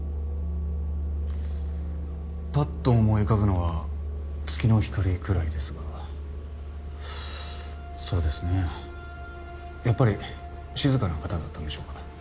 パッと思い浮かぶのは『月の光』くらいですがそうですねやっぱり静かな方だったんでしょうか？